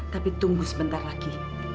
tapi tunggu sebentar lagi